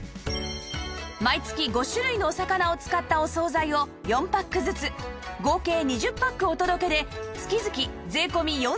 毎月５種類のお魚を使ったお惣菜を４パックずつ合計２０パックお届けで月々税込４９８０円です